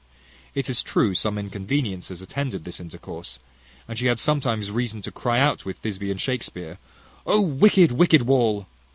It is true, some inconveniences attended this intercourse, and she had sometimes reason to cry out with Thisbe, in Shakspeare, "O, wicked, wicked wall!"